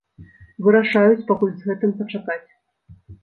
Вырашаюць пакуль з гэтым пачакаць.